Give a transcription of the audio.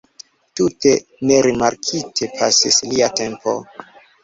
Tute nerimarkite pasis lia tempo.